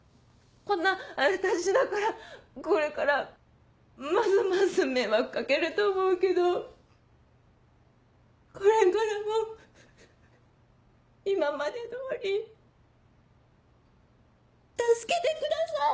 こんな私だからこれからますます迷惑掛けると思うけどこれからも今まで通り助けてください